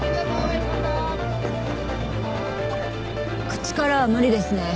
口からは無理ですね。